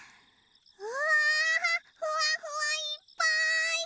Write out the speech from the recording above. うわふわふわいっぱい！